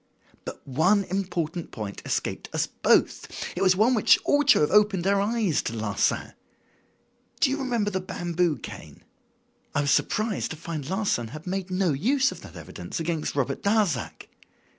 "But one important point escaped us both. It was one which ought to have opened our eyes to Larsan. Do you remember the bamboo cane? I was surprised to find Larsan had made no use of that evidence against Robert Darzac.